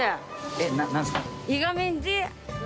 えっなんですか？